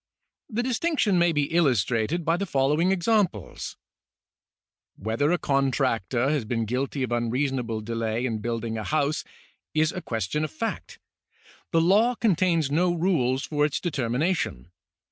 The distinction may be illustrated by the following examples :— Whether a contractor has been guilty of unreasonable delay in building 16 CIVIL LAW [§ S a house is a question of fact ; the law contains no rules for its determina tion.